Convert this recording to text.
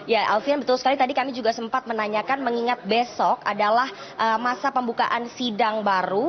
ya alfian betul sekali tadi kami juga sempat menanyakan mengingat besok adalah masa pembukaan sidang baru